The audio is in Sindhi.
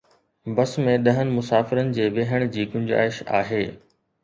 بس ۾ ڏهن مسافرن جي ويهڻ جي گنجائش آهي